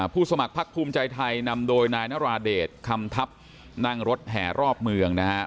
สมัครพักภูมิใจไทยนำโดยนายนราเดชคำทัพนั่งรถแห่รอบเมืองนะฮะ